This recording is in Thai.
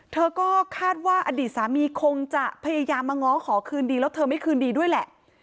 เธอก็คาดว่าอดีตสามีคงจะพยายามมาง้อขอคืนดีแล้วเธอไม่คืนดีด้วยแหละ